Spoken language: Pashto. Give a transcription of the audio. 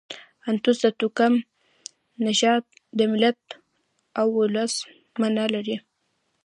انتوس د توکم، نژاد، د ملت او اولس مانا لري.